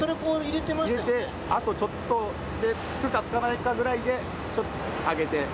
入れてあとちょっとでつくかつかないかぐらいで上げて。